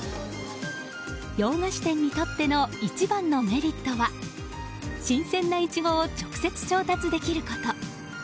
洋菓子店にとっての一番のメリットは新鮮なイチゴを直接調達できること。